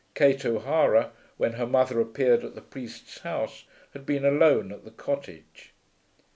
Kate O'Hara, when her mother appeared at the priest's house, had been alone at the cottage.